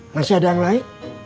masih ada yang lain